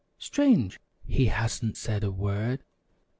"Strange, he hasn't said a word.